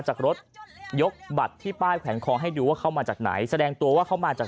จากรถยกบัตรที่ป้ายแขวนคอให้ดูว่าเข้ามาจากไหนแสดงตัวว่าเขามาจาก